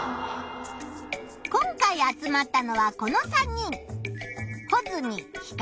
今回集まったのはこの３人。